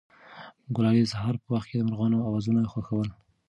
ګلالۍ د سهار په وخت کې د مرغانو اوازونه خوښول.